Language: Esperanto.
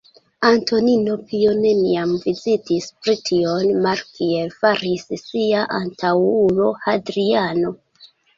Antonino Pio neniam vizitis Brition, malkiel faris sia antaŭulo Hadriano.